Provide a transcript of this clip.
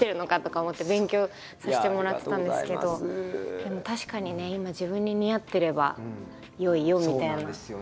でも確かにね今自分に似合ってれば良いよみたいな。